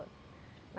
nah konsep wisma